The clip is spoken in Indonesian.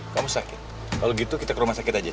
kamu sakit kalau gitu kita ke rumah sakit aja